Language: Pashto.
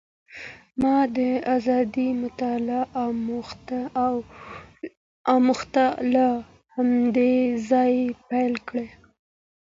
ما د ازادې مطالعې اموخت له همدې ځایه پیل کړ.